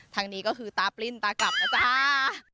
ทางนี้ก็คือตาปลิ้นตากลับนะจ๊ะ